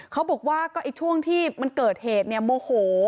เขาบอกว่าก็ช่วงที่มันเกิดเหตุเนี่ยโมโห